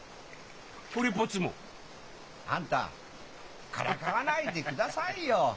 これっぽっちも？あんたからかわないでくださいよ！